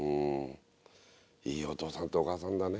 いいお父さんとお母さんだね。